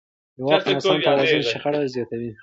د واک ناسم توازن شخړې زیاتوي